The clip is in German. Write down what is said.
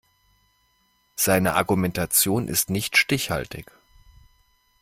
Seine Argumentation ist nicht stichhaltig.